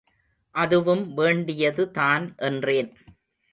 அதுவும் வேண்டியதுதான் என்றேன்.